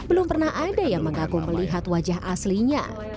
belum pernah ada yang mengaku melihat wajah aslinya